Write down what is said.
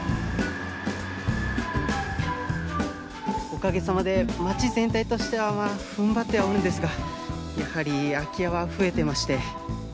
おかげさまで町全体としてはまあ踏ん張ってはおるんですがやはり空き家は増えてまして。